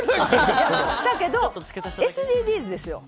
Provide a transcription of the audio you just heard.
だけどＳＤＧｓですよ。